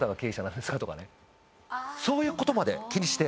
そういうことまで気にして。